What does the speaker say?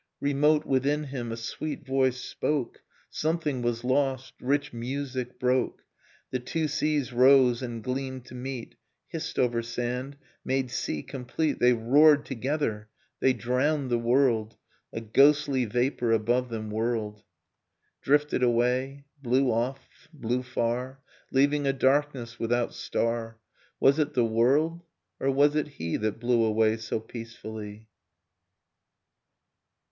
Remote within him a sweet voice spoke, — Something was lost ! Rich music broke. The two seas rose and gleamed to meet. Hissed over sand, made sea complete. They roared together, they drowned the world, A ghostly vapor above them whirled. Drifted away, blew off, blew far. Leaving a darkness without star: Was it the world, or was it he. That blew away so peacefully?